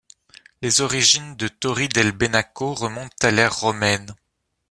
Les origines de Torri del Benaco remontent à l’ère romaine.